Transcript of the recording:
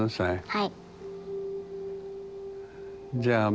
はい。